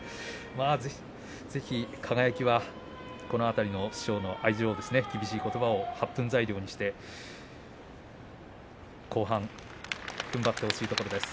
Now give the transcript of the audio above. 輝は、この辺りの師匠の厳しいことばを発奮材料にして後半ふんばってほしいところです。